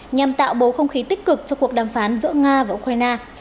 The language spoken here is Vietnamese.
nhằm tạo bầu không khí tích cực cho cuộc đàm phán giữa nga và ukraine